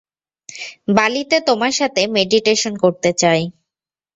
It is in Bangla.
বালিতে তোমার সাথে মেডিটেশন করতে চাই।